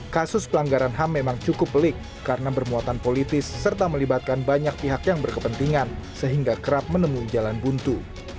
kasus pelanggaran ham memang cukup pelik karena bermuatan politis serta melibatkan banyak pihak yang berkepentingan sehingga kerap menemui jalan buntu